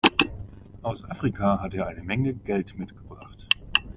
Aus Afrika hat er eine Menge Geld mitgebracht.